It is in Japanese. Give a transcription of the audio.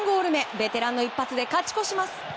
ベテランの一発で勝ち越します。